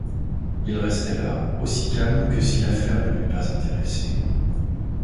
Il restait là, aussi calme que si l’affaire ne l’eût pas intéressé.